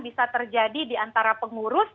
bisa terjadi diantara pengurus